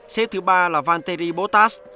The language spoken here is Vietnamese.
xếp thứ ba là van terry bottas